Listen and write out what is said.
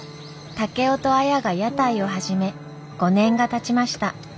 竹雄と綾が屋台を始め５年がたちました。